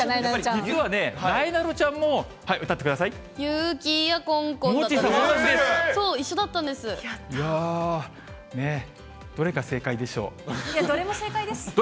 実は、なえなのちゃんも歌っ雪やこんこ。